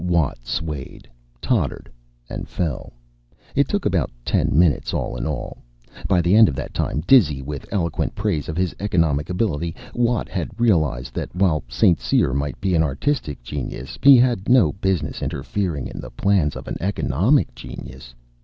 Watt swayed, tottered and fell. It took about ten minutes, all in all. By the end of that time, dizzy with eloquent praise of his economic ability, Watt had realized that while St. Cyr might be an artistic genius, he had no business interfering in the plans of an economic genius.